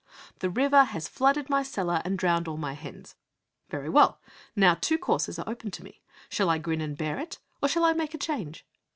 The river has flooded my cellar and drowned all my hens. Very well. Now two courses are open to me. Shall I grin and bear it? or shall I make a change?